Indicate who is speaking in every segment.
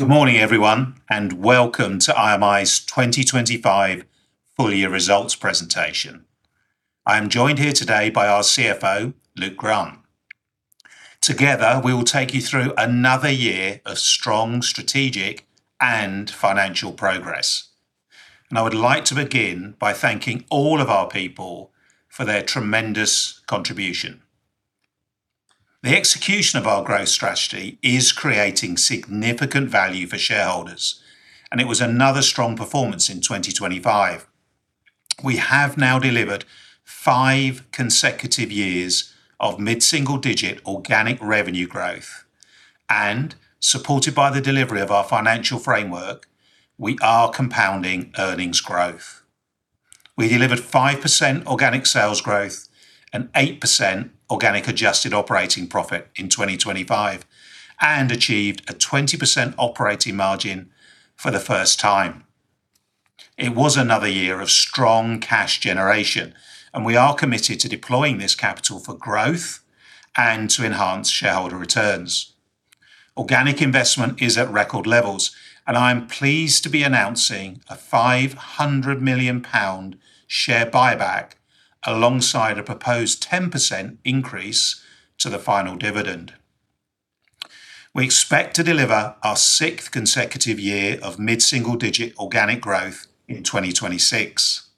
Speaker 1: Good morning, everyone, welcome to IMI's 2025 full year results presentation. I am joined here today by our CFO, Luke Grant. Together, we will take you through another year of strong strategic and financial progress. I would like to begin by thanking all of our people for their tremendous contribution. The execution of our growth strategy is creating significant value for shareholders, and it was another strong performance in 2025. We have now delivered five consecutive years of mid-single-digit organic revenue growth. Supported by the delivery of our financial framework, we are compounding earnings growth. We delivered 5% organic sales growth and 8% organic adjusted operating profit in 2025 and achieved a 20% operating margin for the first time. It was another year of strong cash generation, and we are committed to deploying this capital for growth and to enhance shareholder returns. Organic investment is at record levels. I am pleased to be announcing a 500 million pound share buyback alongside a proposed 10% increase to the final dividend. We expect to deliver our sixth consecutive year of mid-single-digit organic growth in 2026.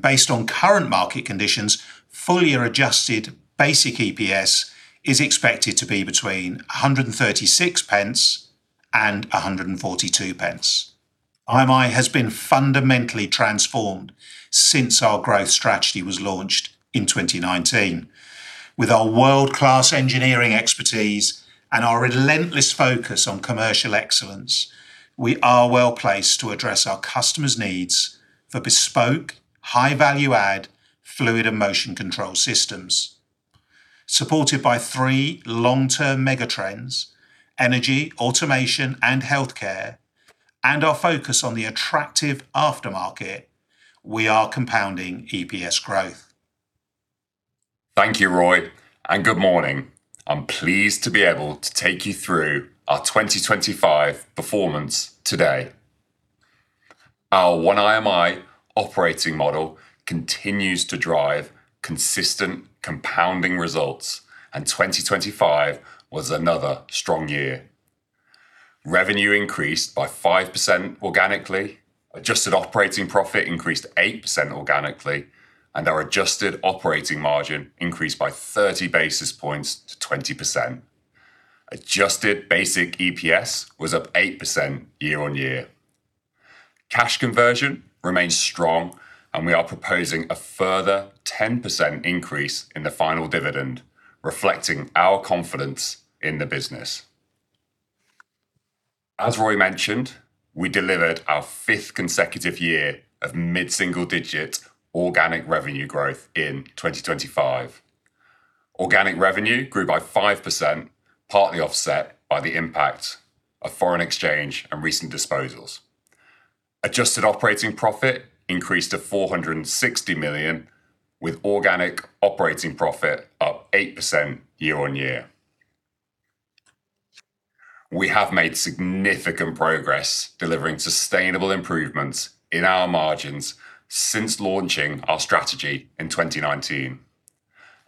Speaker 1: Based on current market conditions, full year adjusted basic EPS is expected to be between GBP 1.36 and 1.42. IMI has been fundamentally transformed since our growth strategy was launched in 2019. With our world-class engineering expertise and our relentless focus on commercial excellence, we are well-placed to address our customers' needs for bespoke, high-value add, fluid and motion control systems. Supported by three long-term megatrends: energy, automation, and healthcare, and our focus on the attractive aftermarket, we are compounding EPS growth.
Speaker 2: Thank you, Roy, and good morning. I'm pleased to be able to take you through our 2025 performance today. Our One IMI operating model continues to drive consistent compounding results, and 2025 was another strong year. Revenue increased by 5% organically. Adjusted operating profit increased 8% organically, and our adjusted operating margin increased by 30 basis points to 20%. Adjusted basic EPS was up 8% year-over-year. Cash conversion remains strong, and we are proposing a further 10% increase in the final dividend, reflecting our confidence in the business. As Roy mentioned, we delivered our fifth consecutive year of mid-single-digit organic revenue growth in 2025. Organic revenue grew by 5%, partly offset by the impact of foreign exchange and recent disposals. Adjusted operating profit increased to 460 million, with organic operating profit up 8% year-over-year. We have made significant progress delivering sustainable improvements in our margins since launching our strategy in 2019.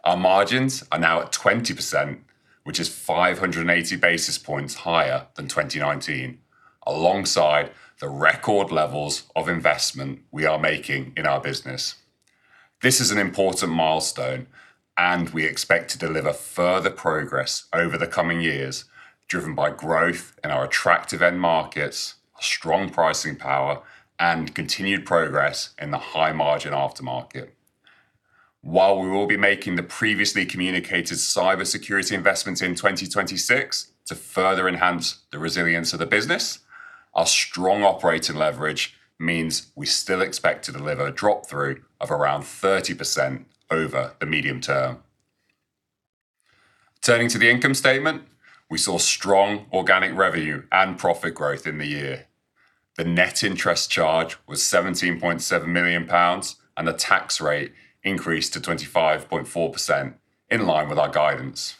Speaker 2: Our margins are now at 20%, which is 580 basis points higher than 2019, alongside the record levels of investment we are making in our business. This is an important milestone. We expect to deliver further progress over the coming years, driven by growth in our attractive end markets, strong pricing power, and continued progress in the high-margin aftermarket. While we will be making the previously communicated cybersecurity investments in 2026 to further enhance the resilience of the business, our strong operating leverage means we still expect to deliver a drop through of around 30% over the medium term. Turning to the income statement, we saw strong organic revenue and profit growth in the year. The net interest charge was 17.7 million pounds, the tax rate increased to 25.4% in line with our guidance.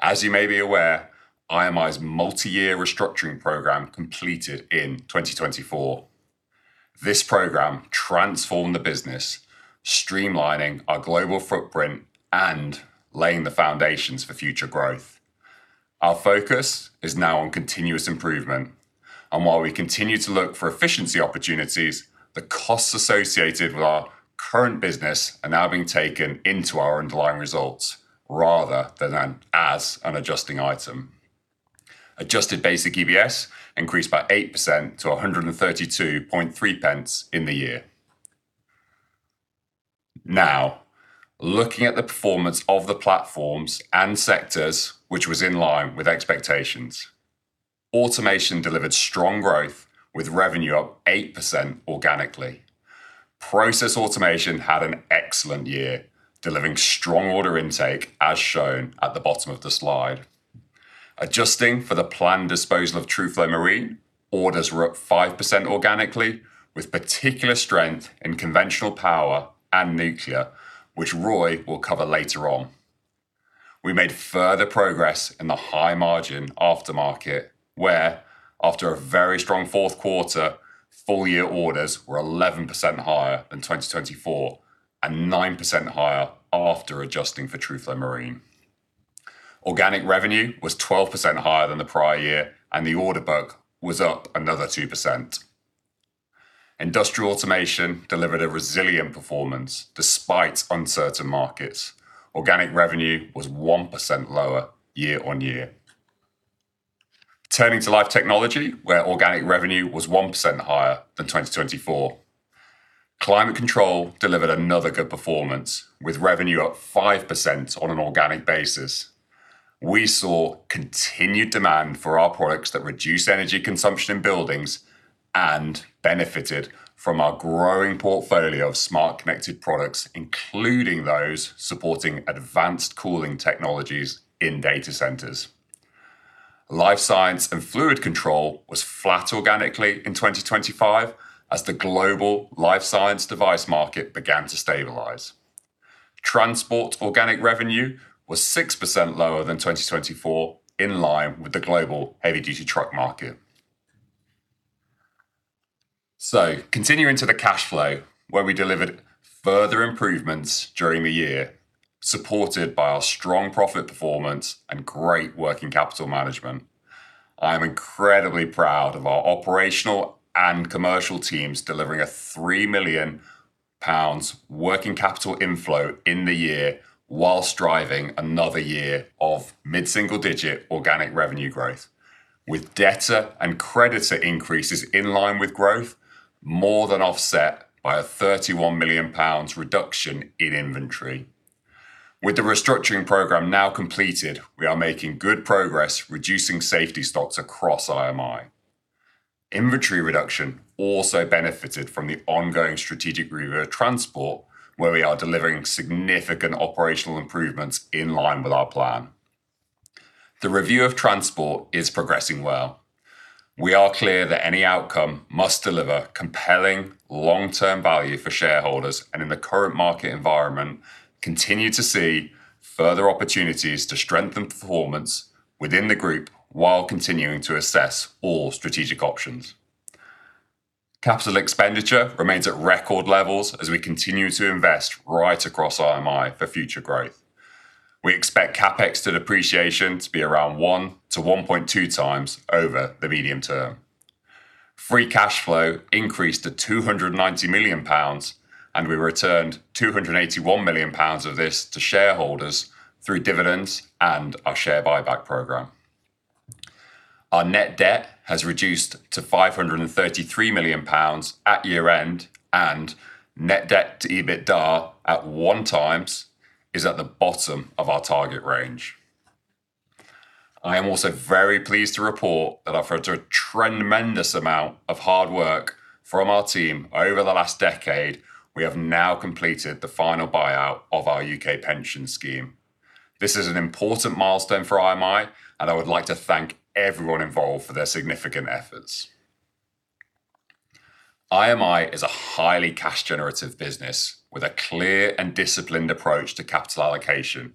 Speaker 2: As you may be aware, IMI's multi-year restructuring program completed in 2024. This program transformed the business, streamlining our global footprint and laying the foundations for future growth. Our focus is now on continuous improvement, while we continue to look for efficiency opportunities, the costs associated with our current business are now being taken into our underlying results rather than as an adjusting item. Adjusted basic EPS increased by 8% to 132.3 pence in the year. Looking at the performance of the platforms and sectors which was in line with expectations. Automation delivered strong growth with revenue up 8% organically. Process Automation had an excellent year, delivering strong order intake, as shown at the bottom of the slide. Adjusting for the planned disposal of Truflo Marine orders were up 5% organically with particular strength in conventional power and nuclear, which Roy will cover later on. We made further progress in the high margin aftermarket, where after a very strong fourth quarter, full year orders were 11% higher than 2024 and 9% higher after adjusting for Truflo Marine. The order book was up another 2%. Industrial Automation delivered a resilient performance despite uncertain markets. Organic revenue was 1% lower year-on-year. Turning to LIFE TECHNOLOGY, where organic revenue was 1% higher than 2024. Climate Control delivered another good performance, with revenue up 5% on an organic basis. We saw continued demand for our products that reduce energy consumption in buildings and benefited from our growing portfolio of smart connected products, including those supporting advanced cooling technologies in data centers. Life Science & Fluid Control was flat organically in 2025 as the global life science device market began to stabilize. Transport organic revenue was 6% lower than 2024, in line with the global heavy duty truck market. Continuing to the cash flow, where we delivered further improvements during the year, supported by our strong profit performance and great working capital management. I am incredibly proud of our operational and commercial teams delivering a 3 million pounds working capital inflow in the year whilst driving another year of mid-single-digit organic revenue growth. With debtor and creditor increases in line with growth more than offset by a 31 million pounds reduction in inventory. With the restructuring program now completed, we are making good progress reducing safety stocks across IMI. Inventory reduction also benefited from the ongoing strategic review of Transport, where we are delivering significant operational improvements in line with our plan. The review of Transport is progressing well. We are clear that any outcome must deliver compelling long-term value for shareholders, and in the current market environment, continue to see further opportunities to strengthen performance within the group while continuing to assess all strategic options. Capital expenditure remains at record levels as we continue to invest right across IMI for future growth. We expect CapEx to depreciation to be around 1x-1.2x over the medium term. Free cash flow increased to 290 million pounds. We returned 281 million pounds of this to shareholders through dividends and our share buyback program. Our net debt has reduced to 533 million pounds at year-end. Net debt to EBITDA at 1x is at the bottom of our target range. I am also very pleased to report that after a tremendous amount of hard work from our team over the last decade, we have now completed the final buyout of our U.K. pension scheme. This is an important milestone for IMI. I would like to thank everyone involved for their significant efforts. IMI is a highly cash generative business with a clear and disciplined approach to capital allocation,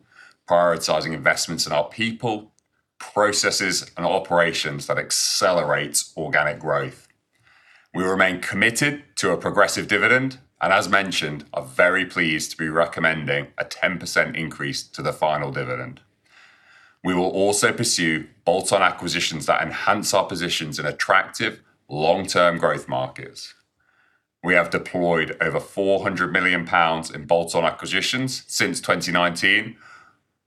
Speaker 2: prioritizing investments in our people, processes and operations that accelerates organic growth. We remain committed to a progressive dividend and as mentioned, are very pleased to be recommending a 10% increase to the final dividend. We will also pursue bolt-on acquisitions that enhance our positions in attractive long term growth markets. We have deployed over 400 million pounds in bolt-on acquisitions since 2019,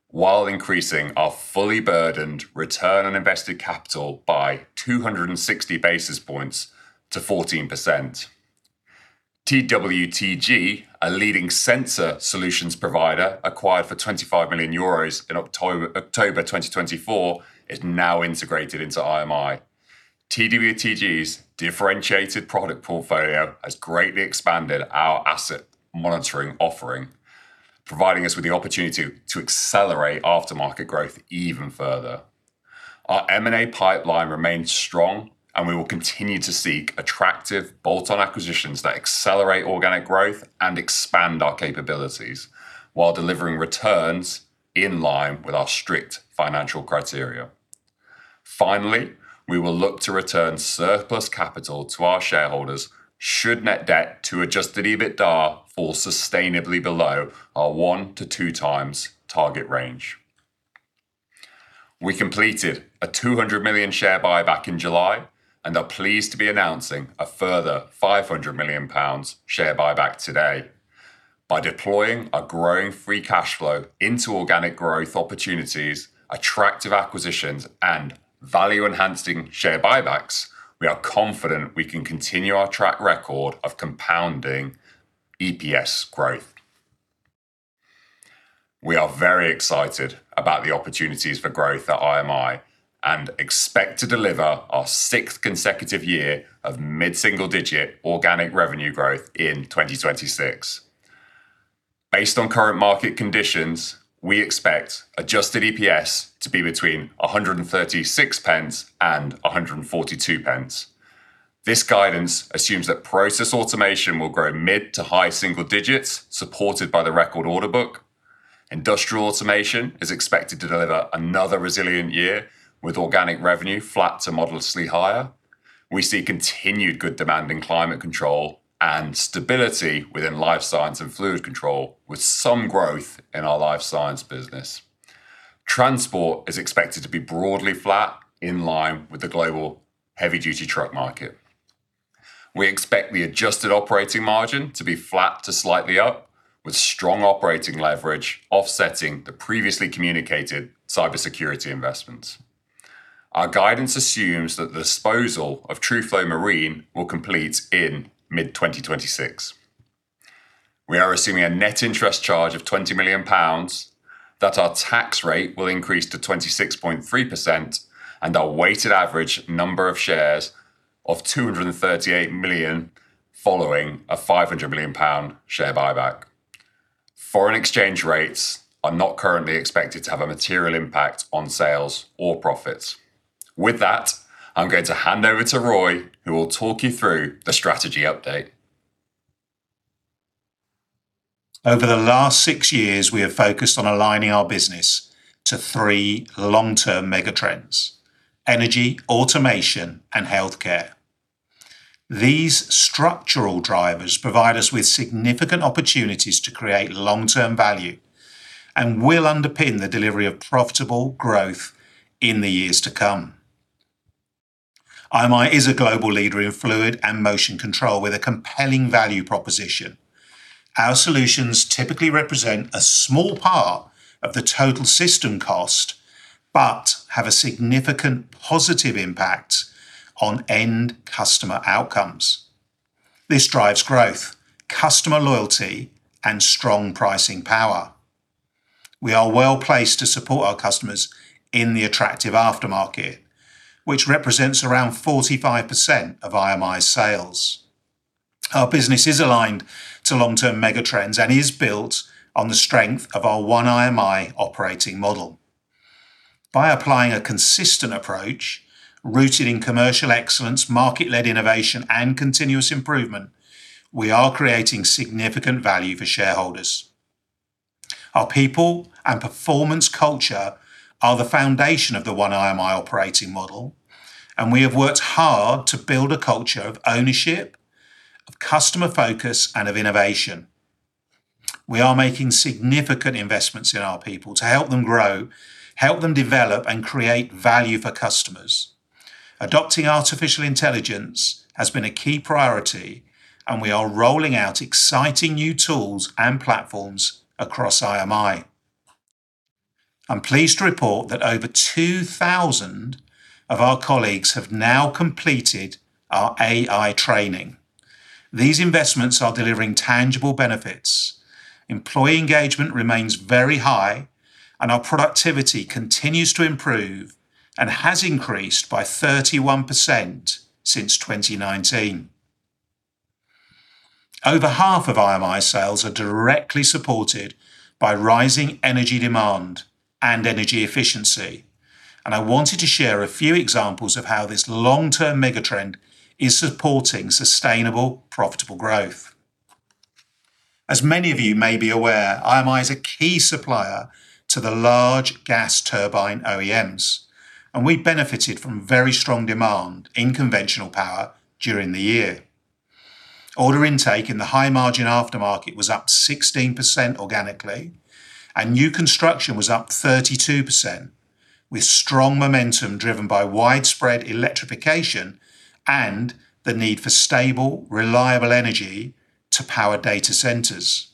Speaker 2: while increasing our fully burdened ROIC by 260 basis points to 14%. TWTG, a leading sensor solutions provider acquired for 25 million euros in October 2024, is now integrated into IMI. TWTG's differentiated product portfolio has greatly expanded our asset monitoring offering, providing us with the opportunity to accelerate aftermarket growth even further. Our M&A pipeline remains strong. We will continue to seek attractive bolt-on acquisitions that accelerate organic growth and expand our capabilities while delivering returns in line with our strict financial criteria. Finally, we will look to return surplus capital to our shareholders should net debt to adjusted EBITDA fall sustainably below our 1x-2x target range. We completed a 200 million share buyback in July, are pleased to be announcing a further 500 million pounds share buyback today. By deploying our growing free cash flow into organic growth opportunities, attractive acquisitions and value enhancing share buybacks, we are confident we can continue our track record of compounding EPS growth. We are very excited about the opportunities for growth at IMI, expect to deliver our sixth consecutive year of mid-single-digit organic revenue growth in 2026. Based on current market conditions, we expect adjusted EPS to be between 1.36 and 1.42. This guidance assumes that Process Automation will grow mid to high single-digits supported by the record order book. Industrial Automation is expected to deliver another resilient year with organic revenue flat to modestly higher. We see continued good demand in Climate Control and stability within Life Science & Fluid Control with some growth in our Life Science business. Transport is expected to be broadly flat in line with the global heavy duty truck market. We expect the adjusted operating margin to be flat to slightly up with strong operating leverage offsetting the previously communicated cybersecurity investments. Our guidance assumes that the disposal of Truflo Marine will complete in mid 2026. We are assuming a net interest charge of 20 million pounds, that our tax rate will increase to 26.3% and our weighted average number of shares of 238 million following a 500 million pound share buyback. Foreign exchange rates are not currently expected to have a material impact on sales or profits. With that, I'm going to hand over to Roy who will talk you through the strategy update.
Speaker 1: Over the last six years, we have focused on aligning our business to three long-term megatrends: energy, automation, and healthcare. These structural drivers provide us with significant opportunities to create long-term value and will underpin the delivery of profitable growth in the years to come. IMI is a global leader in fluid and motion control with a compelling value proposition. Our solutions typically represent a small part of the total system cost, but have a significant positive impact on end customer outcomes. This drives growth, customer loyalty, and strong pricing power. We are well-placed to support our customers in the attractive aftermarket, which represents around 45% of IMI sales. Our business is aligned to long-term megatrends and is built on the strength of our One IMI operating model. By applying a consistent approach rooted in commercial excellence, market-led innovation, and continuous improvement, we are creating significant value for shareholders. Our people and performance culture are the foundation of the One IMI operating model, and we have worked hard to build a culture of ownership, of customer focus, and of innovation. We are making significant investments in our people to help them grow, help them develop, and create value for customers. Adopting artificial intelligence has been a key priority, and we are rolling out exciting new tools and platforms across IMI. I'm pleased to report that over 2,000 of our colleagues have now completed our AI training. These investments are delivering tangible benefits. Employee engagement remains very high, and our productivity continues to improve and has increased by 31% since 2019. Over half of IMI sales are directly supported by rising energy demand and energy efficiency. I wanted to share a few examples of how this long-term megatrend is supporting sustainable, profitable growth. As many of you may be aware, IMI is a key supplier to the large gas turbine OEMs. We benefited from very strong demand in conventional power during the year. Order intake in the high margin aftermarket was up 16% organically. New construction was up 32% with strong momentum driven by widespread electrification and the need for stable, reliable energy to power data centers.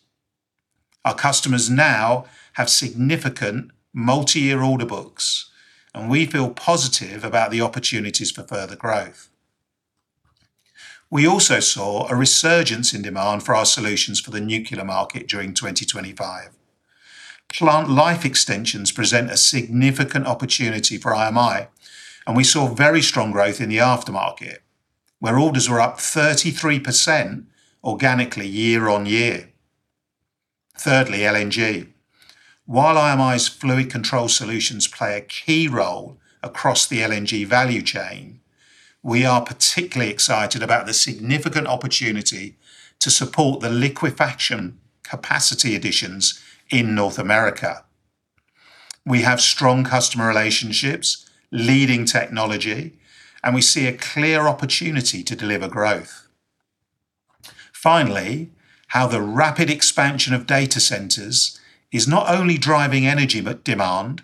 Speaker 1: Our customers now have significant multi-year order books. We feel positive about the opportunities for further growth. We also saw a resurgence in demand for our solutions for the nuclear market during 2025. Plant life extensions present a significant opportunity for IMI, and we saw very strong growth in the aftermarket, where orders were up 33% organically year-on-year. Thirdly, LNG. While IMI's fluid control solutions play a key role across the LNG value chain, we are particularly excited about the significant opportunity to support the liquefaction capacity additions in North America. We have strong customer relationships, leading technology, and we see a clear opportunity to deliver growth. Finally, how the rapid expansion of data centers is not only driving energy but demand,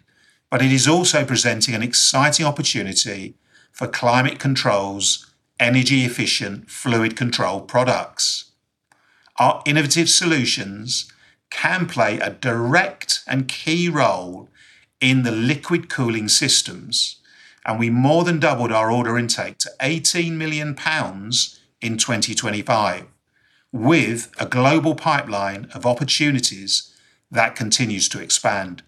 Speaker 1: but it is also presenting an exciting opportunity for climate controls, energy efficient fluid control products. Our innovative solutions can play a direct and key role in the liquid cooling systems, and we more than doubled our order intake to 18 million pounds in 2025 with a global pipeline of opportunities that continues to expand.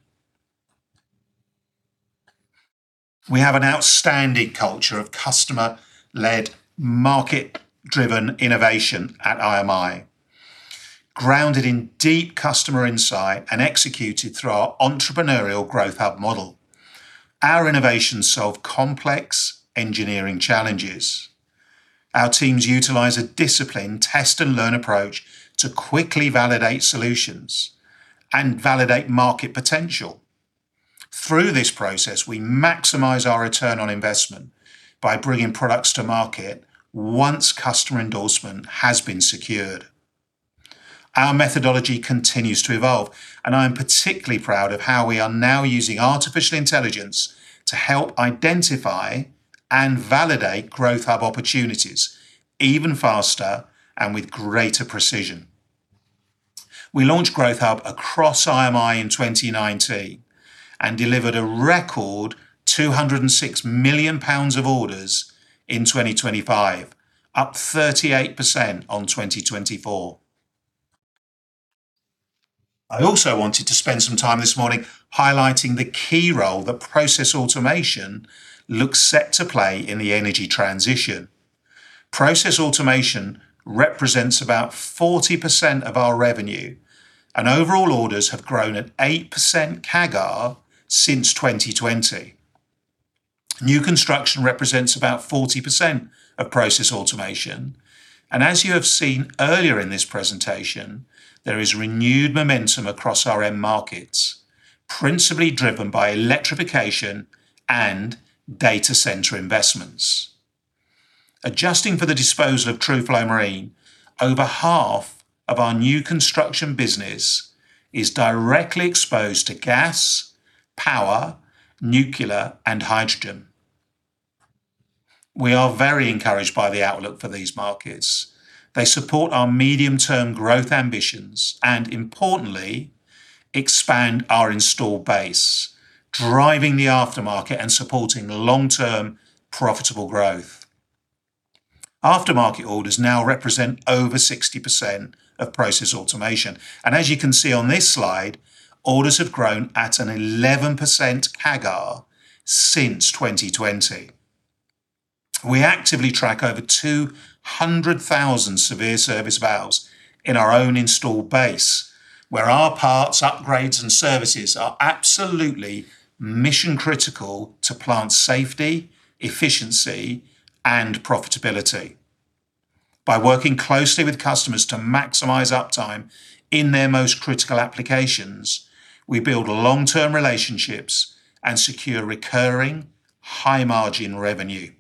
Speaker 1: We have an outstanding culture of customer-led, market-driven innovation at IMI, grounded in deep customer insight and executed through our entrepreneurial Growth Hub model. Our innovations solve complex engineering challenges. Our teams utilize a disciplined test-and-learn approach to quickly validate solutions and validate market potential. Through this process, we maximize our return on investment by bringing products to market once customer endorsement has been secured. Our methodology continues to evolve, and I am particularly proud of how we are now using artificial intelligence to help identify and validate Growth Hub opportunities even faster and with greater precision. We launched Growth Hub across IMI in 2019, and delivered a record 206 million pounds of orders in 2025, up 38% on 2024. I also wanted to spend some time this morning highlighting the key role that Process Automation looks set to play in the energy transition. Process Automation represents about 40% of our revenue, and overall orders have grown at 8% CAGR since 2020. New construction represents about 40% of Process Automation, and as you have seen earlier in this presentation, there is renewed momentum across our end markets, principally driven by electrification and data center investments. Adjusting for the disposal of Truflo Marine, over half of our new construction business is directly exposed to gas, power, nuclear, and hydrogen. We are very encouraged by the outlook for these markets. They support our medium-term growth ambitions and, importantly, expand our installed base, driving the aftermarket and supporting long-term profitable growth. Aftermarket orders now represent over 60% of Process Automation, and as you can see on this slide, orders have grown at an 11% CAGR since 2020. We actively track over 200,000 severe service valves in our own installed base, where our parts, upgrades, and services are absolutely mission-critical to plant safety, efficiency, and profitability. By working closely with customers to maximize uptime in their most critical applications, we build long-term relationships and secure recurring high-margin revenue.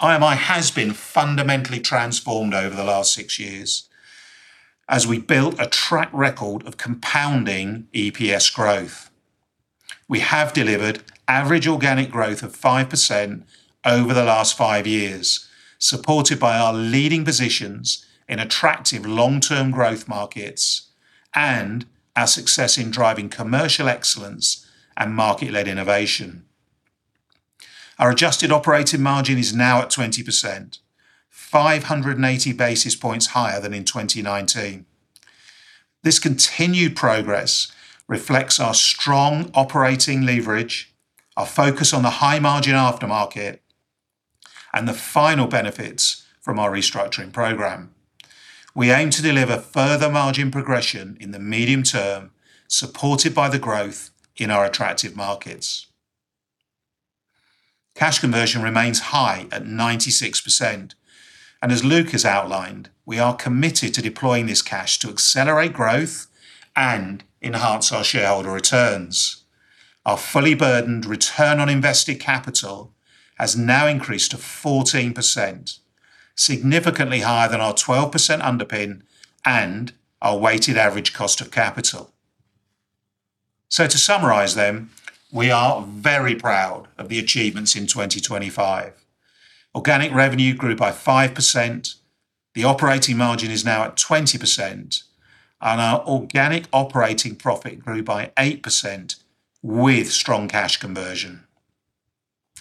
Speaker 1: IMI has been fundamentally transformed over the last six years as we built a track record of compounding EPS growth. We have delivered average organic growth of 5% over the last five years, supported by our leading positions in attractive long-term growth markets and our success in driving commercial excellence and market-led innovation. Our adjusted operating margin is now at 20%, 580 basis points higher than in 2019. This continued progress reflects our strong operating leverage, our focus on the high-margin aftermarket, and the final benefits from our restructuring program. We aim to deliver further margin progression in the medium term, supported by the growth in our attractive markets. Cash conversion remains high at 96%. As Luke has outlined, we are committed to deploying this cash to accelerate growth and enhance our shareholder returns. Our fully burdened return on invested capital has now increased to 14%, significantly higher than our 12% underpin and our weighted average cost of capital. To summarize, we are very proud of the achievements in 2025. Organic revenue grew by 5%, the operating margin is now at 20%, Our organic operating profit grew by 8% with strong cash conversion.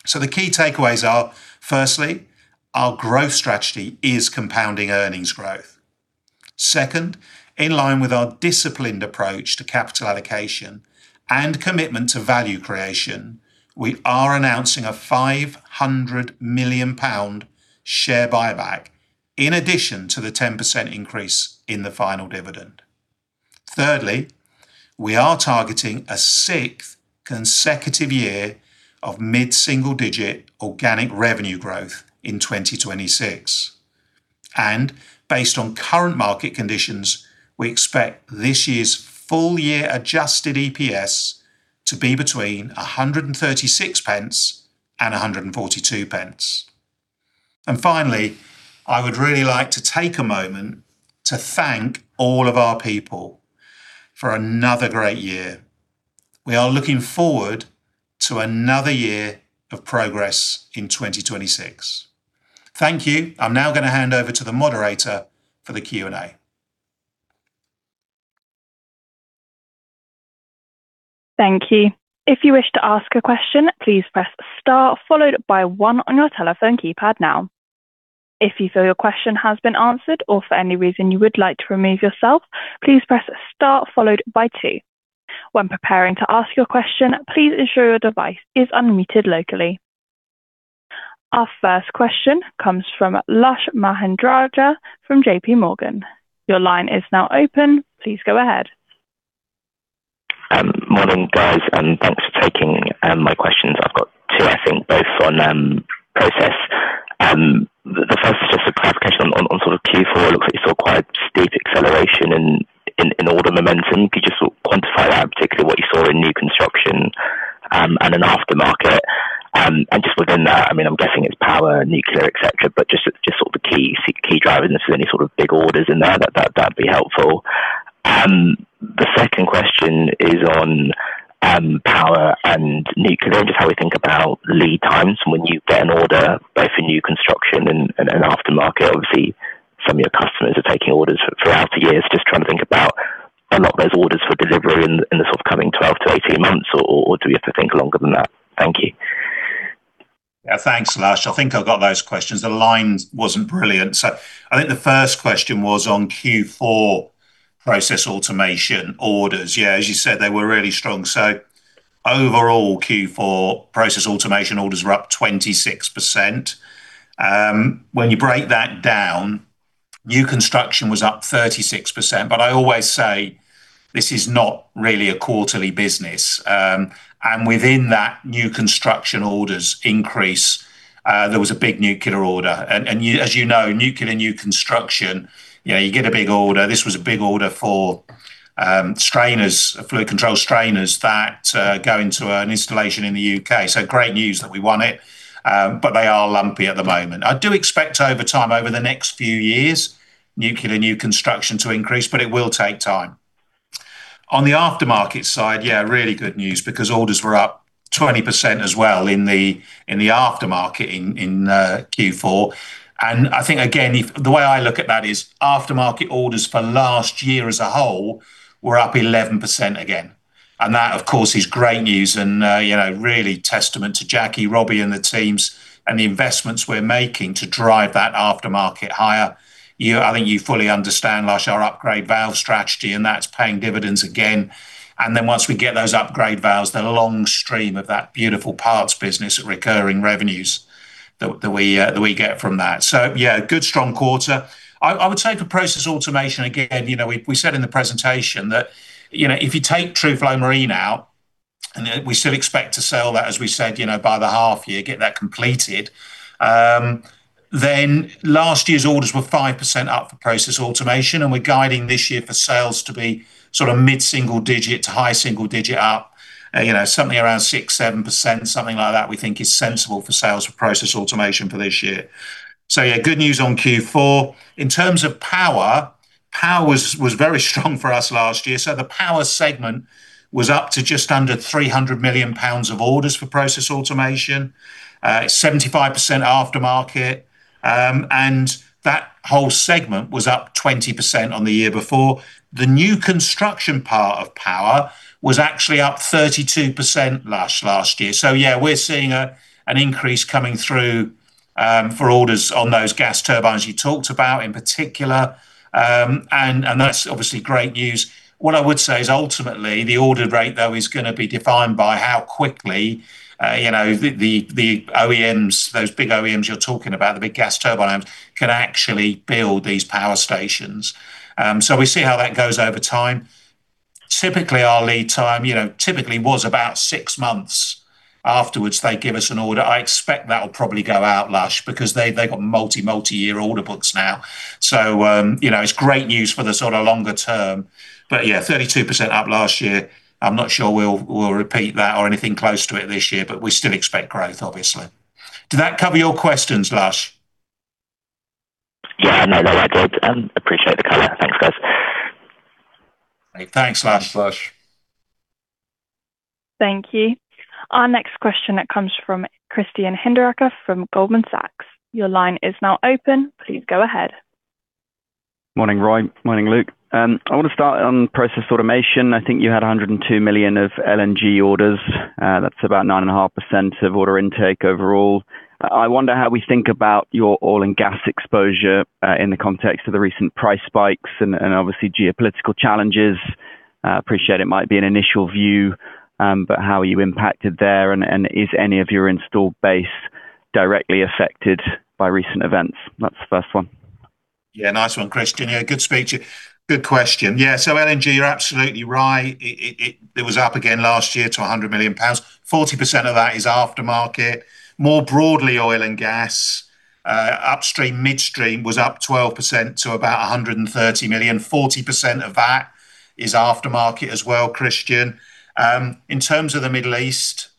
Speaker 1: The key takeaways are, firstly, our growth strategy is compounding earnings growth. Second, in line with our disciplined approach to capital allocation and commitment to value creation, we are announcing a 500 million pound share buyback in addition to the 10% increase in the final dividend. Thirdly, we are targeting a sixth consecutive year of mid-single-digit organic revenue growth in 2026. Based on current market conditions, we expect this year's full year adjusted EPS to be between 136 pence and 142 pence. Finally, I would really like to take a moment to thank all of our people for another great year. We are looking forward to another year of progress in 2026. Thank you. I'm now gonna hand over to the moderator for the Q&A.
Speaker 3: Thank you. If you wish to ask a question, please press star followed by one on your telephone keypad now. If you feel your question has been answered or for any reason you would like to remove yourself, please press star followed by two. When preparing to ask your question, please ensure your device is unmuted locally. Our first question comes from Lush Mahendrarajah from JPMorgan. Your line is now open. Please go ahead.
Speaker 4: Morning, guys, and thanks for taking my questions. I've got two, I think, both on Process. The first is just a clarification on Q4. It looks like you saw quite steep acceleration in order momentum. Could you just quantify that, particularly what you saw in new construction and in aftermarket? Just within that, I mean, I'm guessing it's power, nuclear, et cetera, but just the key drivers. If there's any big orders in there, that'd be helpful. The second question is on power and nuclear and just how we think about lead times when you get an order both for new construction and aftermarket. Obviously, some of your customers are taking orders throughout the years. Just trying to think about are not those orders for delivery in the coming 12-18 months or do we have to think longer than that? Thank you.
Speaker 1: Yeah. Thanks, Lush. I think I've got those questions. The line wasn't brilliant. I think the first question was on Q4 Process Automation orders. Yeah, as you said, they were really strong. Overall Q4 Process Automation orders were up 26%. When you break that down, new construction was up 36%. I always say this is not really a quarterly business. Within that new construction orders increase, there was a big nuclear order. As you know, nuclear new construction, you get a big order. This was a big order for strainers, fluid control strainers that go into an installation in the U.K. Great news that we won it, but they are lumpy at the moment. I do expect over time, over the next few years, nuclear new construction to increase, but it will take time. On the aftermarket side, yeah, really good news because orders were up 20% as well in the, in the aftermarket in Q4. I think again, the way I look at that is aftermarket orders for last year as a whole were up 11% again. That of course is great news and really testament to Jackie, Roby and the teams and the investments we're making to drive that aftermarket higher. I think you fully understand, Lush, our upgrade valve strategy, and that's paying dividends again. Once we get those upgrade valves, the long stream of that beautiful parts business recurring revenues that we get from that. Yeah, good strong quarter. I would say for Process Automation, again, we said in the presentation that if you take Truflo Marine out and we still expect to sell that as we said by the half year, get that completed, then last year's orders were 5% up for Process Automation, and we're guiding this year for sales to be mid-single-digit to high- single-digit up. You know, something around 6%-7%, something like that we think is sensible for sales for Process Automation for this year. Yeah, good news on Q4. In terms of power was very strong for us last year. The power segment was up to just under 300 million pounds of orders for Process Automation. 75% aftermarket. That whole segment was up 20% on the year before. The new construction part of power was actually up 32%, Lush, last year. Yeah, we're seeing an increase coming through for orders on those gas turbines you talked about in particular. That's obviously great news. What I would say is ultimately the order rate though is gonna be defined by how quickly the OEMs, those big OEMs you're talking about, the big gas turbines, can actually build these power stations. We see how that goes over time. Typically, our lead time, typically was about six months afterwards they give us an order. I expect that'll probably go out, Lush, because they've got multi-year order books now. You know, it's great news for the longer term. Yeah, 32% up last year. I'm not sure we'll repeat that or anything close to it this year, we still expect growth obviously. Did that cover your questions, Lush?
Speaker 4: Yeah. No, it did. Appreciate the color. Thanks, guys.
Speaker 1: Thanks, Lush.
Speaker 2: Thanks, Lush.
Speaker 3: Thank you. Our next question comes from Christian Hinderaker from Goldman Sachs. Your line is now open. Please go ahead.
Speaker 5: Morning, Roy. Morning, Luke. I want to start on Process Automation. I think you had 102 million of LNG orders. That's about 9.5% of order intake overall. I wonder how we think about your oil and gas exposure in the context of the recent price spikes and obviously geopolitical challenges. Appreciate it might be an initial view, but how are you impacted there and is any of your installed base directly affected by recent events? That's the first one.
Speaker 1: Nice one, Christian. Good speech. Good question. LNG, you're absolutely right. It was up again last year to 100 million pounds. 40% of that is aftermarket. More broadly, oil and gas, upstream, midstream was up 12% to about 130 million. 40% of that is aftermarket as well, Christian. In terms of the Middle East,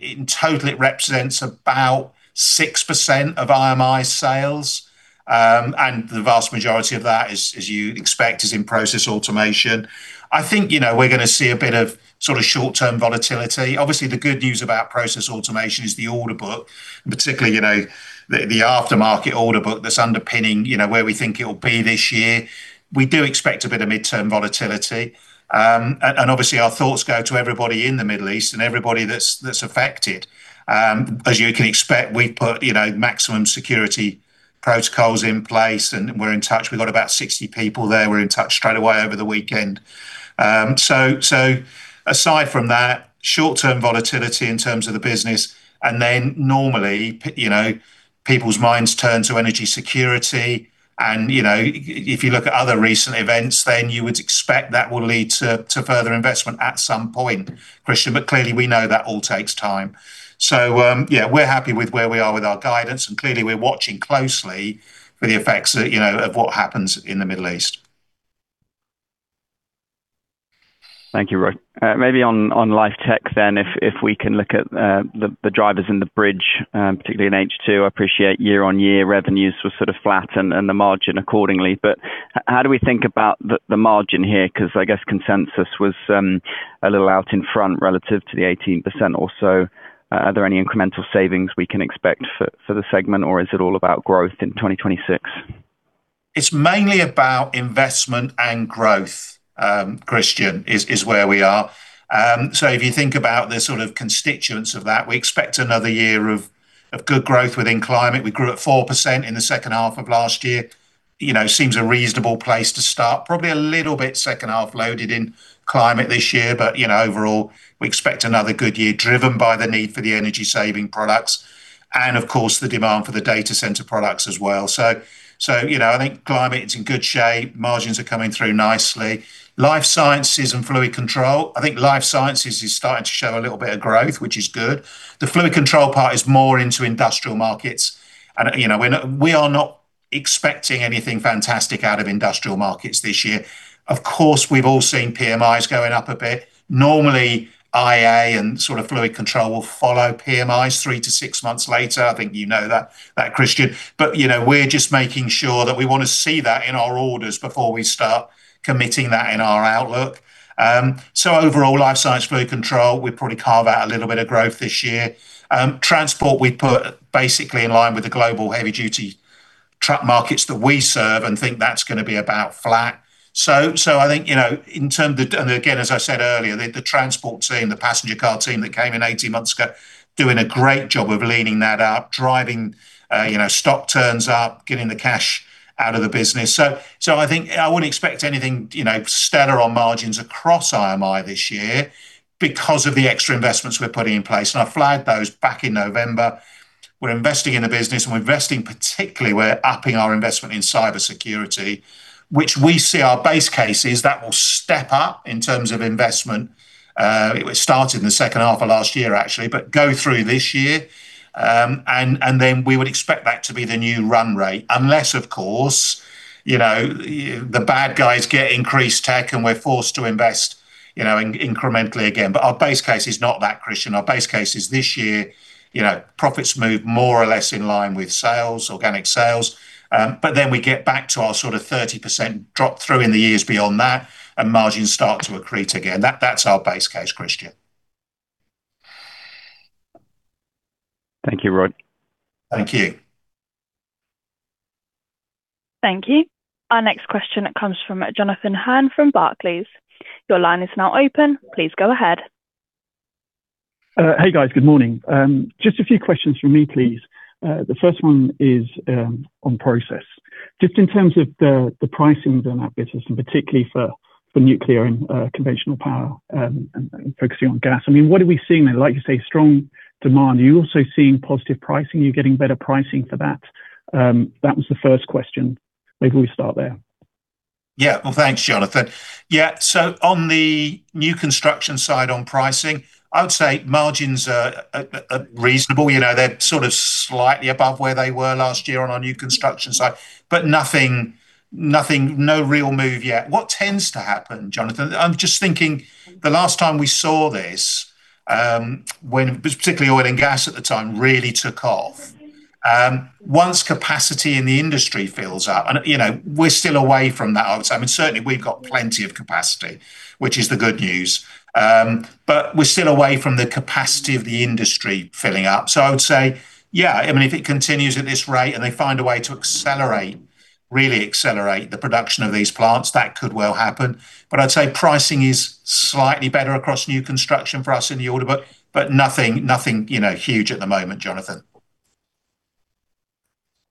Speaker 1: in total it represents about 6% of IMI's sales, and the vast majority of that is, as you'd expect, is in Process Automation. I think, we're gonna see a bit of short-term volatility. Obviously, the good news about Process Automation is the order book, and particularly the aftermarket order book that's underpinning, where we think it'll be this year. We do expect a bit of midterm volatility. Obviously our thoughts go to everybody in the Middle East and everybody that's affected. As you can expect, we've put maximum security protocols in place and we're in touch. We've got about 60 people there. We're in touch straight away over the weekend. Aside from that, short-term volatility in terms of the business, normally, people's minds turn to energy security and if you look at other recent events, you would expect that will lead to further investment at some point, Christian. Clearly we know that all takes time. Yeah, we're happy with where we are with our guidance, clearly we're watching closely for the effects that, you know, of what happens in the Middle East.
Speaker 5: Thank you, Roy. Maybe on LIFE TECH then, if we can look at the drivers in the bridge, particularly in H2. I appreciate year-on-year revenues were flat and the margin accordingly. How do we think about the margin here? 'Cause I guess consensus was a little out in front relative to the 18% or so. Are there any incremental savings we can expect for the segment, or is it all about growth in 2026?
Speaker 1: It's mainly about investment and growth, Christian, is where we are. If you think about the constituents of that, we expect another year of good growth within Climate Control. We grew at 4% in the second half of last year. You know, seems a reasonable place to start. Probably a little bit second half loaded in Climate Control this year. Overall, we expect another good year driven by the need for the energy-saving products and of course the demand for the data center products as well. I think Climate Control is in good shape. Margins are coming through nicely. Life Science & Fluid Control, I think Life Sciences is starting to show a little bit of growth, which is good. The Fluid Control part is more into industrial markets. You know, we are not expecting anything fantastic out of industrial markets this year. Of course, we've all seen PMIs going up a bit. Normally, IA and Fluid Control will follow PMIs three to six months later. I think that, Christian. We're just making sure that we wanna see that in our orders before we start committing that in our outlook. Overall, Life Science, Fluid Control, we probably carve out a little bit of growth this year. Transport we put basically in line with the global heavy duty truck markets that we serve and think that's gonna be about flat. I think, in terms of again, as I said earlier, the transport team, the passenger car team that came in 18 months ago, doing a great job of leaning that up, driving, stock turns up, getting the cash out of the business. I think I wouldn't expect anything stellar on margins across IMI this year because of the extra investments we're putting in place, and I flagged those back in November. We're investing in the business, and we're investing particularly, we're upping our investment in cybersecurity, which we see our base case is that will step up in terms of investment. It started in the second half of last year actually, but go through this year. Then we would expect that to be the new run rate. Unless of course, the bad guys get increased tech and we're forced to invest incrementally again. Our base case is not that, Christian. Our base case is this year profits move more or less in line with sales, organic sales. We get back to our sort of 30% drop through in the years beyond that and margins start to accrete again. That's our base case, Christian.
Speaker 5: Thank you, Roy.
Speaker 1: Thank you.
Speaker 3: Thank you. Our next question comes from Jonathan Hurn from Barclays. Your line is now open. Please go ahead.
Speaker 6: Hey, guys. Good morning. Just a few questions from me, please. The first one is on process. Just in terms of the pricing within that business, and particularly for nuclear and conventional power, and focusing on gas. I mean, what are we seeing there? Like you say, strong demand. Are you also seeing positive pricing? Are you getting better pricing for that? That was the first question. Maybe we start there.
Speaker 1: Yeah. Well, thanks, Jonathan. Yeah. On the new construction side on pricing, I would say margins are reasonable. You know, they're slightly above where they were last year on our new construction side, but nothing. No real move yet. What tends to happen, Jonathan, I'm just thinking the last time we saw this, when, particularly oil and gas at the time really took off. Once capacity in the industry fills up and we're still away from that, I would say. I mean, certainly we've got plenty of capacity, which is the good news. We're still away from the capacity of the industry filling up. I would say, yeah, I mean, if it continues at this rate and they find a way to accelerate, really accelerate the production of these plants, that could well happen. I'd say pricing is slightly better across new construction for us in the order book, but nothing huge at the moment, Jonathan.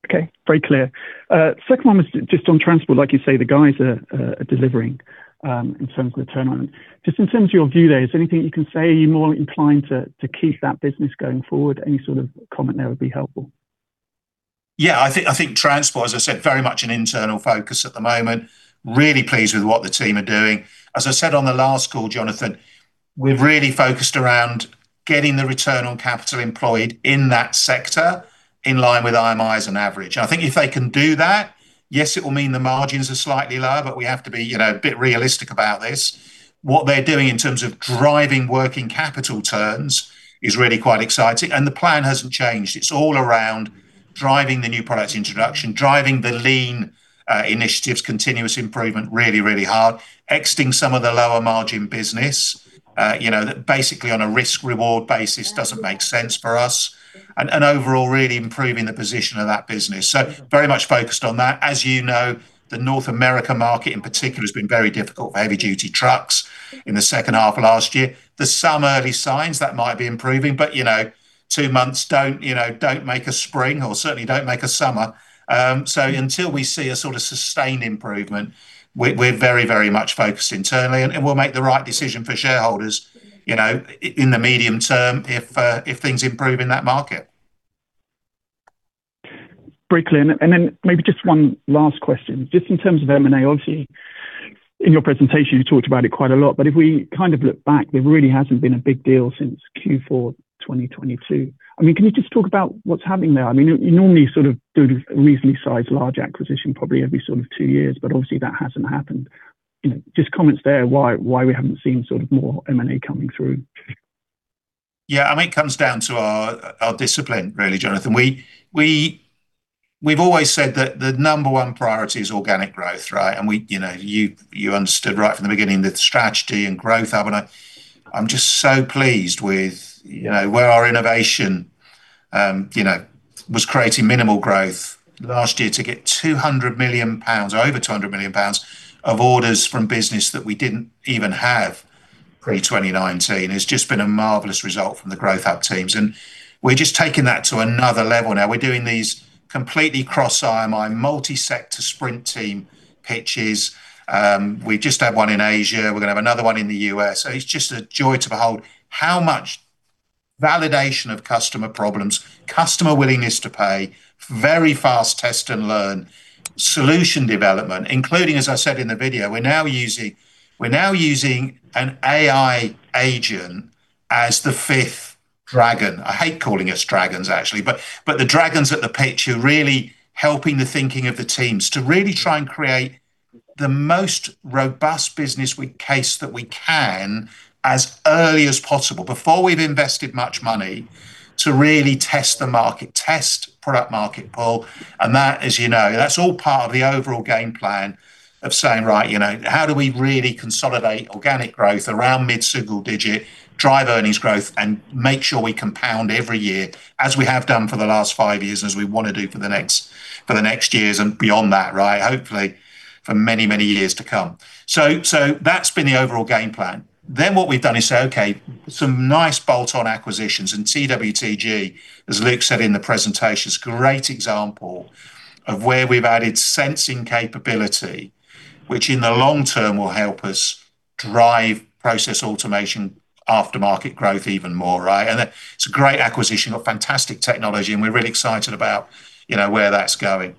Speaker 6: Okay. Very clear. Second one was just on Transport. Like you say, the guys are delivering in terms of the turnaround. Just in terms of your view there, is there anything you can say you're more inclined to keep that business going forward? Any comment there would be helpful.
Speaker 1: I think Transport, as I said, very much an internal focus at the moment. Really pleased with what the team are doing. As I said on the last call, Jonathan, we've really focused around getting the return on capital employed in that sector in line with IMI's on average. I think if they can do that, yes, it will mean the margins are slightly lower, but we have to be a bit realistic about this. What they're doing in terms of driving working capital turns is really quite exciting, the plan hasn't changed. It's all around driving the new product introduction, driving the lean initiatives, continuous improvement really, really hard. Exiting some of the lower margin business, that basically on a risk reward basis doesn't make sense for us. Overall really improving the position of that business. Very much focused on that. As you know, the North America market in particular has been very difficult for heavy duty trucks in the second half of last year. There's some early signs that might be improving, but, two months don't make a spring or certainly don't make a summer. Until we see a sustained improvement, we're very much focused internally, and we'll make the right decision for shareholders in the medium term if things improve in that market.
Speaker 6: Very clear. Then maybe just one last question. Just in terms of M&A, obviously in your presentation, you talked about it quite a lot, but if we kind of look back, there really hasn't been a big deal since Q4 2022. I mean, can you just talk about what's happening there? I mean, you normally do a reasonably sized large acquisition, probably every two years, but obviously that hasn't happened. You know, just comments there why we haven't seen more M&A coming through.
Speaker 1: Yeah, I mean, it comes down to our discipline really, Jonathan. We've always said that the number one priority is organic growth, right? We, you know, you understood right from the beginning the strategy and growth avenue. I'm just so pleased with, where our innovation was creating minimal growth last year to get 200 million pounds, over 200 million pounds of orders from business that we didn't even have pre-2019. It's just been a marvelous result from the Growth Hub teams, and we're just taking that to another level now. We're doing these completely cross IMI multi-sector sprint team pitches. We've just had one in Asia. We're gonna have another one in the U.S. It's just a joy to behold how much validation of customer problems, customer willingness to pay, very fast test and learn solution development, including, as I said in the video, we're now using an AI agent as the fifth dragon. I hate calling us dragons, actually, but the dragons at the pitch are really helping the thinking of the teams to really try and create the most robust business case that we can as early as possible before we've invested much money to really test the market, test product market pool. That, as you know, that's all part of the overall game plan of saying, right, how do we really consolidate organic growth around mid-single-digit, drive earnings growth and make sure we compound every year as we have done for the last five years, and as we wanna do for the next years and beyond that, right? Hopefully for many, many years to come. That's been the overall game plan. What we've done is say, okay, some nice bolt-on acquisitions and TWTG, as Luke said in the presentation, is a great example of where we've added sensing capability, which in the long term will help us drive Process Automation aftermarket growth even more, right? It's a great acquisition of fantastic technology, and we're really excited about where that's going.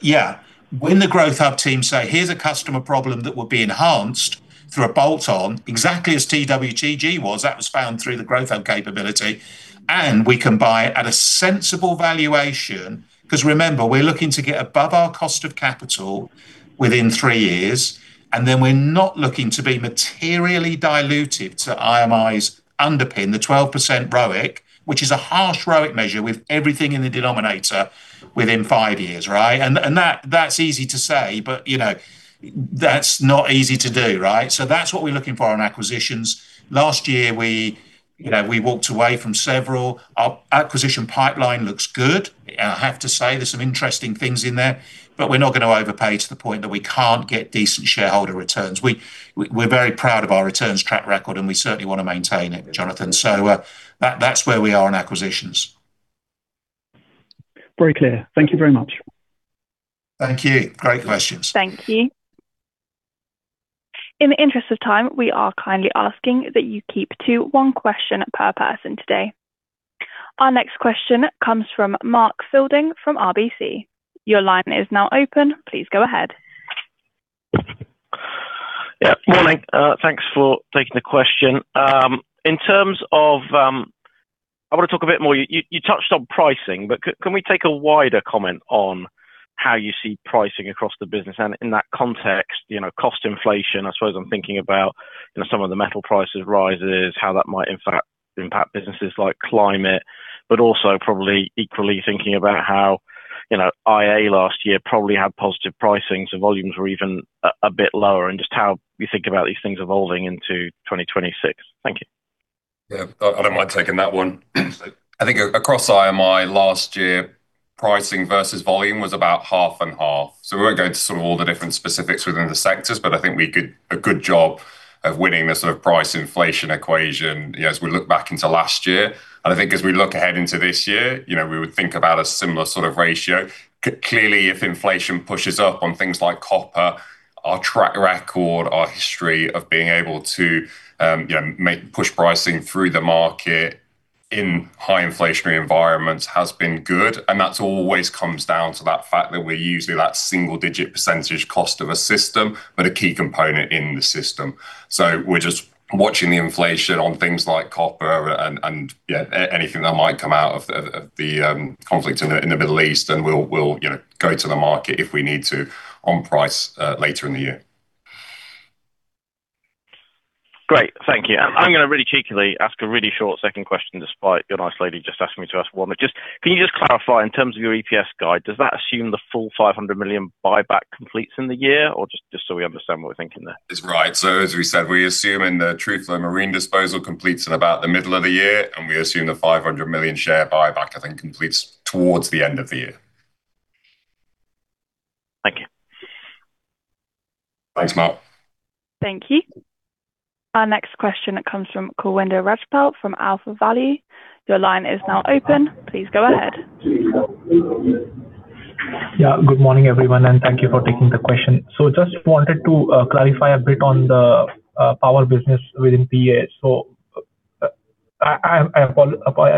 Speaker 1: Yeah, when the Growth Hub team say, "Here's a customer problem that will be enhanced through a bolt-on," exactly as TWTG was, that was found through the Growth Hub capability, and we can buy it at a sensible valuation. Remember, we're looking to get above our cost of capital within three years, and then we're not looking to be materially diluted to IMI's underpin, the 12% ROIC, which is a harsh ROIC measure with everything in the denominator within five years, right? That's easy to say, but that's not easy to do, right? That's what we're looking for on acquisitions. Last year we walked away from several. Our acquisition pipeline looks good. I have to say there's some interesting things in there, but we're not gonna overpay to the point that we can't get decent shareholder returns. We're very proud of our returns track record, and we certainly wanna maintain it, Jonathan. That's where we are on acquisitions.
Speaker 6: Very clear. Thank you very much.
Speaker 1: Thank you. Great questions.
Speaker 3: Thank you. In the interest of time, we are kindly asking that you keep to one question per person today. Our next question comes from Mark Fielding from RBC. Your line is now open. Please go ahead.
Speaker 7: Morning. Thanks for taking the question. In terms of... I want to talk a bit more, you touched on pricing, can we take a wider comment on how you see pricing across the business? In that context, cost inflation, I suppose I'm thinking about some of the metal prices rises, how that might in fact impact businesses like Climate, but also probably equally thinking about how IA last year probably had positive pricing, so volumes were even a bit lower and just how you think about these things evolving into 2026. Thank you.
Speaker 2: Yeah. I don't mind taking that one. I think across IMI last year, pricing versus volume was about half and half. We won't go into all the different specifics within the sectors, but I think we did a good job of winning the price inflation equation, as we look back into last year. I think as we look ahead into this year, we would think about a similar ratio. Clearly, if inflation pushes up on things like copper, our track record, our history of being able to push pricing through the market in high inflationary environments has been good. That always comes down to that fact that we're usually that single-digit percentage cost of a system, but a key component in the system. We're just watching the inflation on things like copper and, yeah, anything that might come out of the conflict in the Middle East, and we'll go to the market if we need to on price later in the year.
Speaker 7: Great. Thank you. I'm gonna really cheekily ask a really short second question, despite your nice lady just asking me to ask one. Can you just clarify in terms of your EPS guide, does that assume the full 500 million buyback completes in the year? Or just so we understand what we're thinking there?
Speaker 2: It's right. As we said, we assume in the Truflo Marine disposal completes in about the middle of the year, we assume the 500 million share buyback, I think, completes towards the end of the year. Thanks, Mark.
Speaker 3: Thank you. Our next question comes from Kulwinder Rajpal from AlphaValue. Your line is now open. Please go ahead.
Speaker 8: Good morning, everyone, and thank you for taking the question. Just wanted to clarify a bit on the power business within PA. I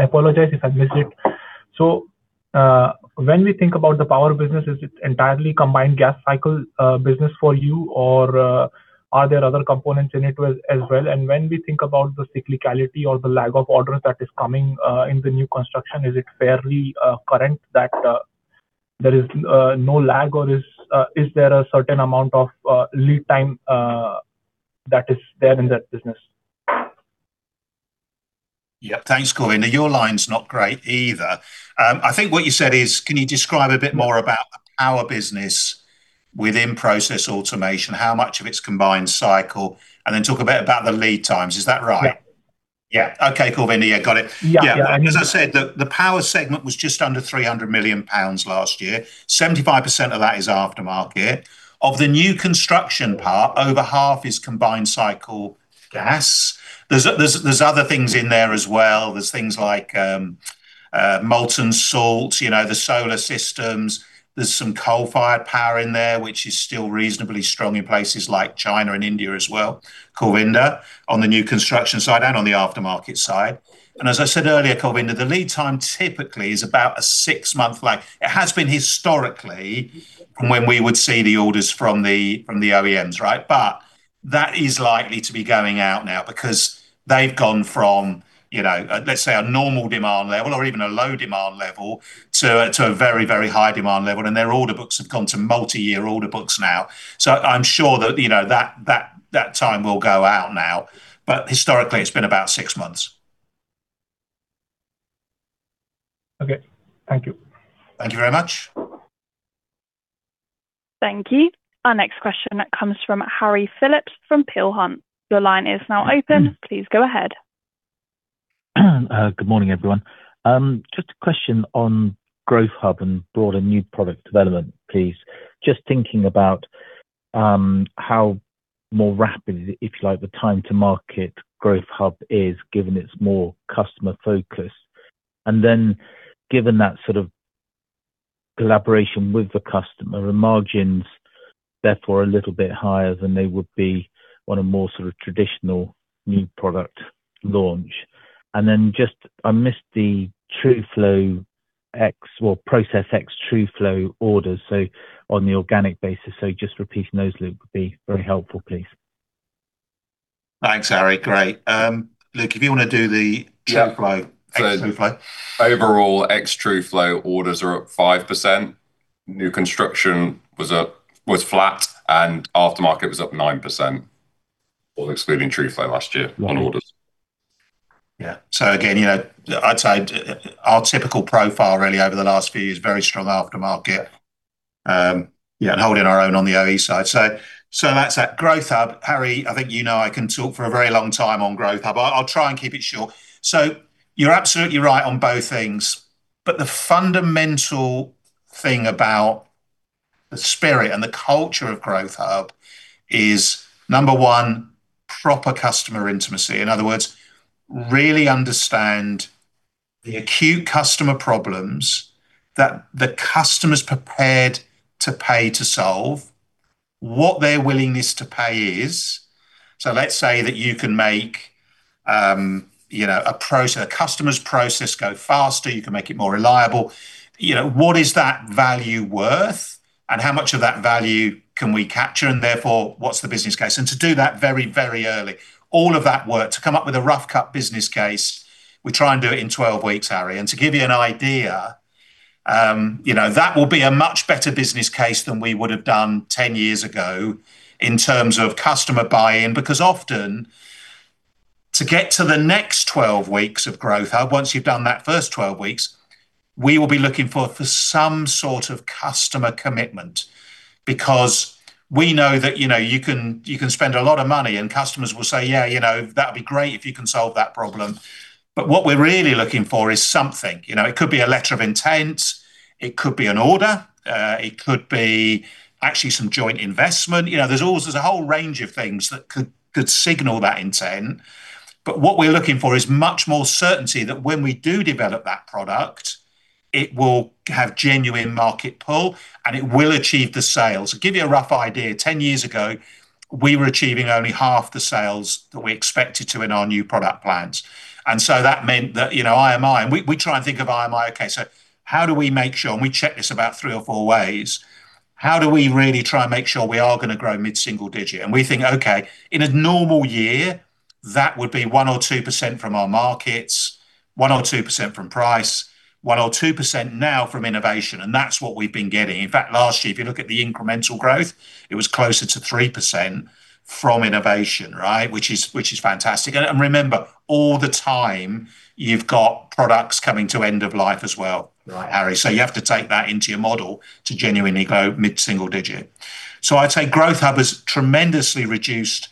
Speaker 8: apologize if I missed it. When we think about the power business is it entirely combined gas cycle business for you or are there other components in it as well? When we think about the cyclicality or the lag of orders that is coming in the new construction, is it fairly current that there is no lag or is there a certain amount of lead time that is there in that business?
Speaker 1: Yeah. Thanks, Kulwinder. Your line's not great either. I think what you said is, can you describe a bit more about the power business within Process Automation, how much of it's combined cycle, and then talk a bit about the lead times. Is that right?
Speaker 8: Yeah.
Speaker 1: Yeah. Okay, Kulwinder. Yeah, got it.
Speaker 8: Yeah.
Speaker 1: Yeah. As I said, the power segment was just under 300 million pounds last year. 75% of that is aftermarket. Of the new construction part, over half is combined cycle gas. There's other things in there as well. There's things like molten salt the solar systems. There's some coal-fired power in there, which is still reasonably strong in places like China and India as well, Kulwinder, on the new construction side and on the aftermarket side. As I said earlier, Kulwinder, the lead time typically is about a six-month lag. It has been historically from when we would see the orders from the OEMs, right? That is likely to be going out now because they've gone from, let's say a normal demand level or even a low demand level to a very high demand level, and their order books have gone to multi-year order books now. I'm sure that time will go out now. Historically, it's been about six months.
Speaker 8: Okay. Thank you.
Speaker 1: Thank you very much.
Speaker 3: Thank you. Our next question comes from Harry Philips from Peel Hunt. Your line is now open. Please go ahead.
Speaker 9: Good morning, everyone. Just a question on Growth Hub and broader new product development, please. Just thinking about how more rapidly, if you like, the time to market Growth Hub is, given it's more customer focused. Given that collaboration with the customer and margins therefore a little bit higher than they would be on a more traditional new product launch. Just I missed the Truflo ex or Process ex Truflo orders, so on the organic basis. Just repeating those, Luke, would be very helpful, please.
Speaker 1: Thanks, Harry. Great. Luke, if you wanna do the Truflo, ex Truflo.
Speaker 2: Overall, ex Truflo orders are up 5%. New construction was flat, and aftermarket was up 9%. All excluding Truflo last year on orders.
Speaker 1: Yeah. Again, I'd say our typical profile really over the last few years, very strong aftermarket. Holding our own on the OE side. That's that. Growth Hub, Harry, I think, I can talk for a very long time on Growth Hub. I'll try and keep it short. You're absolutely right on both things, but the fundamental thing about the spirit and the culture of Growth Hub is, number one, proper customer intimacy. In other words, really understand the acute customer problems that the customer's prepared to pay to solve, what their willingness to pay is. Let's say that you can make a customer's process go faster, you can make it more reliable. You know, what is that value worth? How much of that value can we capture, and therefore what's the business case? To do that very, very early. All of that work to come up with a rough cut business case, we try and do it in 12 weeks, Harry. To give you an idea, that will be a much better business case than we would have done 10 years ago in terms of customer buy-in. Often to get to the next 12 weeks of Growth Hub, once you've done that first 12 weeks, we will be looking for some customer commitment because we know that you can spend a lot of money and customers will say, "Yeah, that'd be great if you can solve that problem." What we're really looking for is something. It could be a letter of intent, it could be an order, it could be actually some joint investment. You know, there's a whole range of things that could signal that intent. What we're looking for is much more certainty that when we do develop that product, it will have genuine market pull, and it will achieve the sales. To give you a rough idea, 10 years ago, we were achieving only half the sales that we expected to in our new product plans. That meant that, IMI, and we try and think of IMI, okay, so how do we make sure, and we check this about three or four ways, how do we really try and make sure we are gonna grow mid-single-digit? We think, okay, in a normal year, that would be 1% or 2% from our markets, 1% or 2% from price, 1% or 2% now from innovation. That's what we've been getting. In fact, last year, if you look at the incremental growth, it was closer to 3% from innovation, right? Which is fantastic. Remember, all the time you've got products coming to end of life as well.
Speaker 9: Right.
Speaker 1: Harry, you have to take that into your model to genuinely go mid-single-digit. I'd say Growth Hub has tremendously reduced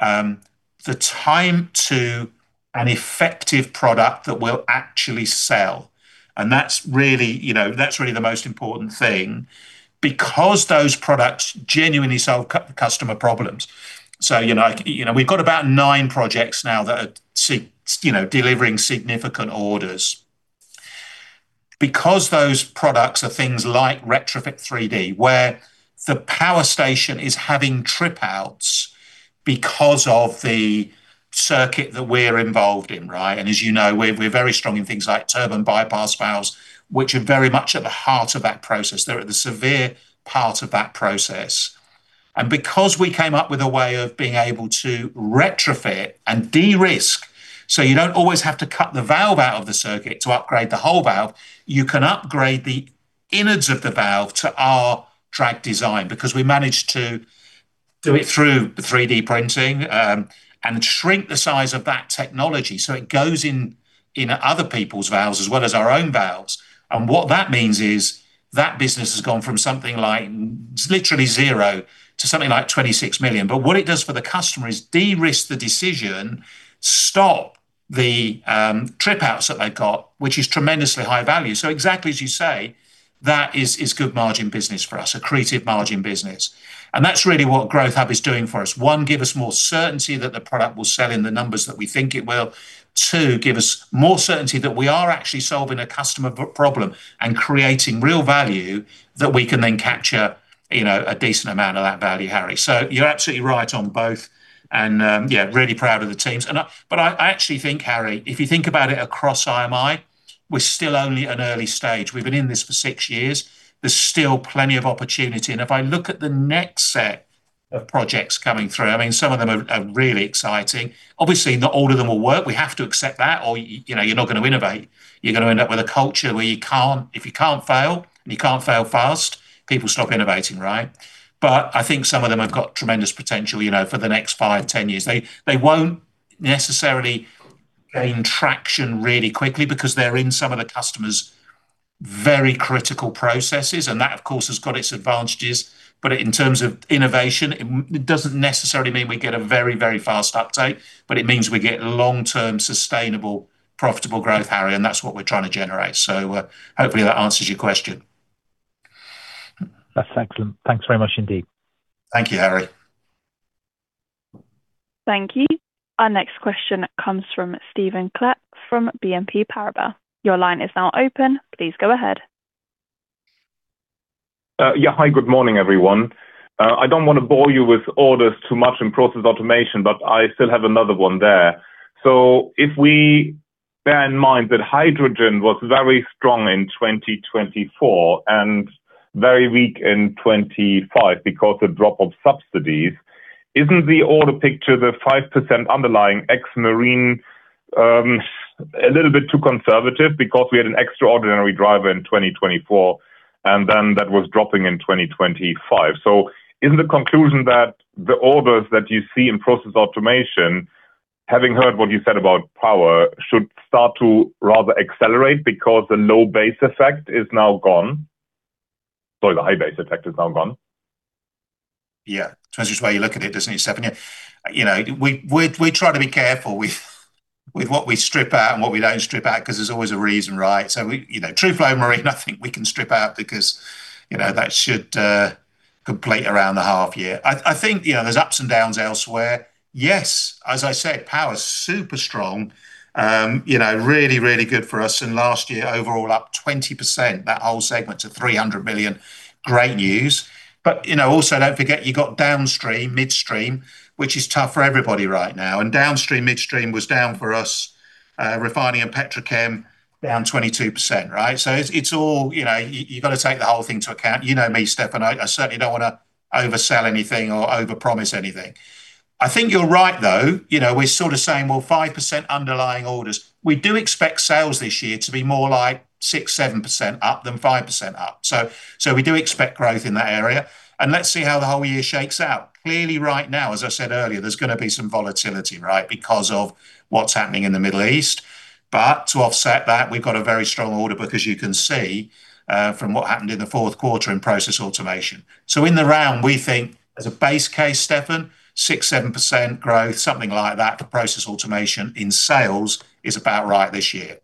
Speaker 1: the time to an effective product that will actually sell. That's really the most important thing because those products genuinely solve customer problems. You know, we've got about nine projects now that are delivering significant orders. Those products are things like Retrofit3D, where the power station is having trip outs because of the circuit that we're involved in, right? As you know, we're very strong in things like turbine bypass valves, which are very much at the heart of that process. They're at the severe part of that process. Because we came up with a way of being able to retrofit and de-risk, you don't always have to cut the valve out of the circuit to upgrade the whole valve, you can upgrade the innards of the valve to our track design because we managed to do it through 3D printing and shrink the size of that technology. It goes in other people's valves as well as our own valves. What that means is that business has gone from something like literally zero to something like 26 million. What it does for the customer is de-risk the decision, stop the trip outs that they got, which is tremendously high value. Exactly as you say, that is good margin business for us, accretive margin business. That's really what Growth Hub is doing for us. One, give us more certainty that the product will sell in the numbers that we think it will. Two, give us more certainty that we are actually solving a customer problem and creating real value that we can then capture a decent amount of that value, Harry. You're absolutely right on both. But I actually think, Harry, if you think about it across IMI, we're still only at early stage. We've been in this for six years. There's still plenty of opportunity. If I look at the next set of projects coming through, I mean, some of them are really exciting. Obviously, not all of them will work. We have to accept that or you're not gonna innovate. You're gonna end up with a culture where if you can't fail and you can't fail fast, people stop innovating, right? I think some of them have got tremendous potential for the next five, 10 years. They won't necessarily gain traction really quickly because they're in some of the customers' very critical processes, and that of course has got its advantages. In terms of innovation, it doesn't necessarily mean we get a very fast uptake, but it means we get long-term, sustainable, profitable growth, Harry, that's what we're trying to generate. Hopefully that answers your question.
Speaker 9: That's excellent. Thanks very much indeed.
Speaker 1: Thank you, Harry.
Speaker 3: Thank you. Our next question comes from Stephan Klepp from BNP Paribas. Your line is now open. Please go ahead.
Speaker 10: Yeah. Hi, good morning, everyone. I don't wanna bore you with orders too much in Process Automation, but I still have another one there. If we bear in mind that hydrogen was very strong in 2024 and very weak in 2025 because the drop of subsidies, isn't the order picture the 5% underlying ex-marine a little bit too conservative because we had an extraordinary driver in 2024 and then that was dropping in 2025? Is the conclusion that the orders that you see in Process Automation, having heard what you said about power, should start to rather accelerate because the low base effect is now gone? Sorry, the high base effect is now gone.
Speaker 1: Yeah. Depends which way you look at it, doesn't it, Stephan? We try to be careful with what we strip out and what we don't strip out because there's always a reason, right? We, Truflo Marine, I think we can strip out because that should complete around the half year. I think, there's ups and downs elsewhere. Yes, as I said, power is super strong. You know, really, really good for us. Last year overall up 20%, that whole segment to 300 million. Great news. But also don't forget you got downstream, midstream, which is tough for everybody right now. Downstream, midstream was down for us, refining and petrochem down 22%, right? It's all, you know... You gotta take the whole thing into account. You know me, Stephan, I certainly don't wanna oversell anything or overpromise anything. I think you're right, though. We're saying, well, 5% underlying orders. We do expect sales this year to be more like 6%-7% up than 5% up. We do expect growth in that area. Let's see how the whole year shakes out. Clearly right now, as I said earlier, there's gonna be some volatility, right, because of what's happening in the Middle East. To offset that, we've got a very strong order book, as you can see, from what happened in the fourth quarter in Process Automation. In the round, we think as a base case, Stephan, 6%-7% growth, something like that to Process Automation in sales is about right this year.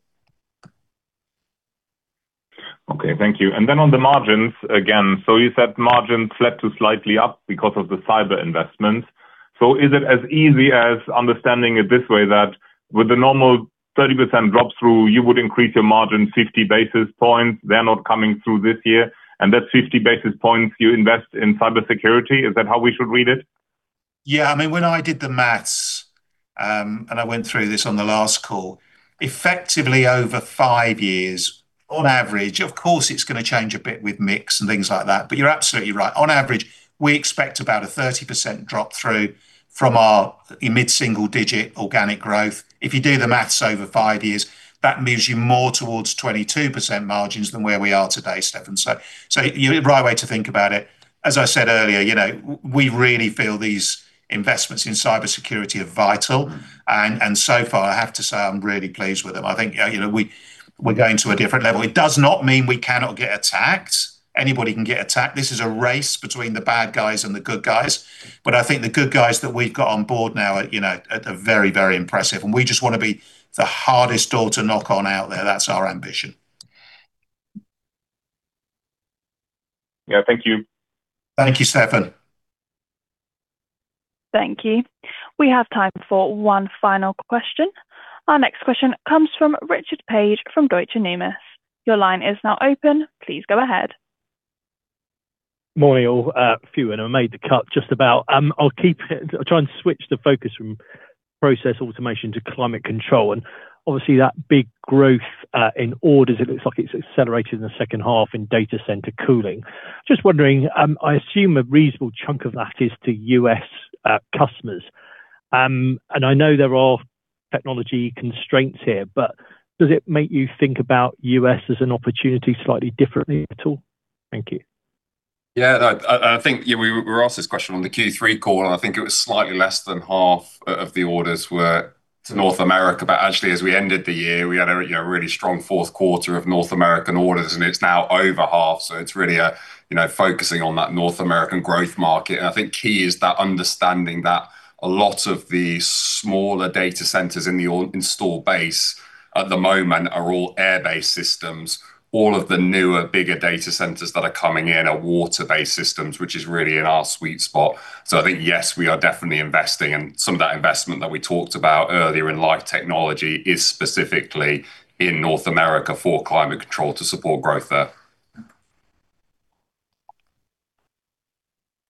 Speaker 10: Okay. Thank you. Then on the margins again. You said margins flat to slightly up because of the cyber investments. Is it as easy as understanding it this way that with the normal 30% drop-through, you would increase your margin 50 basis points? They're not coming through this year, and that 50 basis points you invest in cybersecurity. Is that how we should read it?
Speaker 1: I mean, when I did the math, and I went through this on the last call, effectively over five years, on average, of course it's gonna change a bit with mix and things like that, but you're absolutely right. On average, we expect about a 30% drop-through from our mid-single-digit organic growth. If you do the math over five years, that moves you more towards 22% margins than where we are today, Stephan. You right way to think about it. As I said earlier, we really feel these investments in cybersecurity are vital. So far I have to say I'm really pleased with them. I think, we're going to a different level. It does not mean we cannot get attacked. Anybody can get attacked. This is a race between the bad guys and the good guys, I think the good guys that we've got on board now are very, very impressive. We just wanna be the hardest door to knock on out there. That's our ambition.
Speaker 2: Yeah, thank you.
Speaker 1: Thank you, Stephan.
Speaker 3: Thank you. We have time for one final question. Our next question comes from Richard Paige from Deutsche Numis. Your line is now open. Please go ahead.
Speaker 11: Morning, all. Few of them made the cut, just about. I'll try and switch the focus from Process Automation to Climate Control, and obviously that big growth in orders, it looks like it's accelerated in the second half in data center cooling. Just wondering, I assume a reasonable chunk of that is to U.S. customers. I know there are technology constraints here, but does it make you think about U.S. as an opportunity slightly differently at all? Thank you.
Speaker 2: I think, we were asked this question on the Q3 call, and I think it was slightly less than half of the orders were to North America. Actually, as we ended the year, we had a really strong fourth quarter of North American orders, and it's now over half. It's really focusing on that North American growth market. I think key is that understanding that a lot of the smaller data centers in the all installed base at the moment are all air-based systems. All of the newer, bigger data centers that are coming in are water-based systems, which is really in our sweet spot. I think, yes, we are definitely investing, and some of that investment that we talked about earlier in LIFE TECHNOLOGY is specifically in North America for Climate Control to support growth there.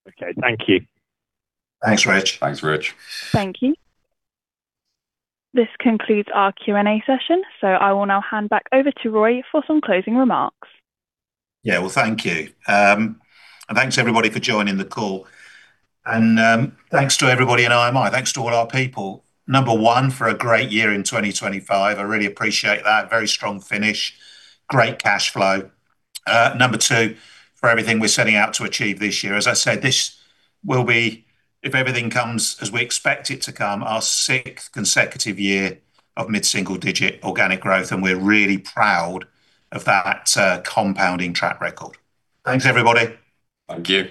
Speaker 11: Okay. Thank you.
Speaker 1: Thanks, Rich.
Speaker 2: Thanks, Rich.
Speaker 3: Thank you. This concludes our Q&A session, so I will now hand back over to Roy for some closing remarks.
Speaker 1: Yeah. Well, thank you. Thanks everybody for joining the call. Thanks to everybody in IMI. Thanks to all our people. Number one, for a great year in 2025, I really appreciate that. Very strong finish, great cash flow. number two, for everything we're setting out to achieve this year. As I said, this will be, if everything comes as we expect it to come, our sixth consecutive year of mid-single-digit organic growth, and we're really proud of that, compounding track record. Thanks, everybody.
Speaker 2: Thank you.